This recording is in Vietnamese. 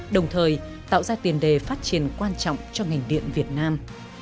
đồng thời tạo ra tiền đề phát triển quan trọng cho ngành điện việt nam